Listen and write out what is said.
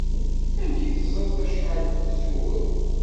Amek i teẓriḍ acḥal zur?